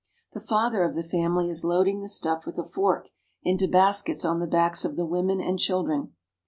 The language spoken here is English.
The father of the family is loading the stuff with a fork into baskets on the backs of the women and children.